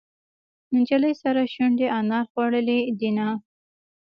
د نجلۍ سرې شونډې انار خوړلې دينهه.